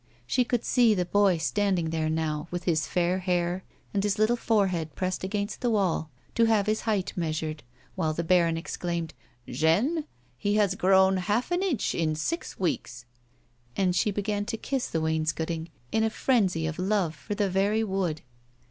She could see the boy standing there now, with his fair hair, and his little forehead pressed against the wall to have his height measured, while the baron exclaimed ;" Jeanne, he has grown half an inch in six weeks," and she began to kiss the wainscottiug in a frenzy of love for the very wood.